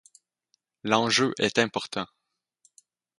L’enjeu est important.